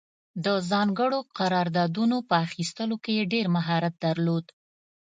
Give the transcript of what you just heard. د ځانګړو قراردادونو په اخیستلو کې یې ډېر مهارت درلود.